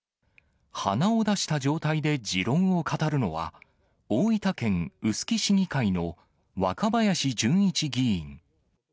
鼻を出した状態で持論を語るのは、大分県臼杵市議会の若林純一議員。